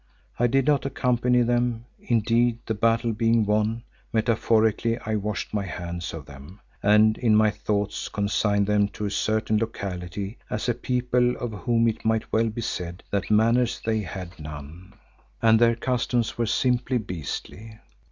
I did not accompany them; indeed the battle being won, metaphorically I washed my hands of them, and in my thoughts consigned them to a certain locality as a people of whom it might well be said that manners they had none and their customs were simply beastly.